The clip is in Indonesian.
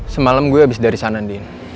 semalam gue abis dari sana andien